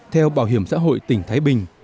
theo bảo hiểm xã hội tỉnh thái bình